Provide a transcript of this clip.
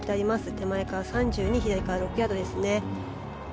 手前から３２左から６ヤードですね。